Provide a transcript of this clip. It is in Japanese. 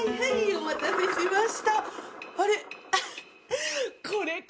お待たせしました。